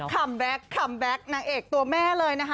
แบ็คคัมแบ็คนางเอกตัวแม่เลยนะคะ